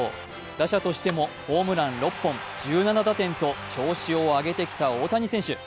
打者としてもホームラン６本１７打点と調子を上げてきた大谷選手。